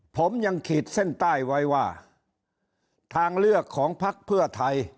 ผมยังขีดเส้นใต้ไว้ว่าทางเลือกของพักเพื่อไทย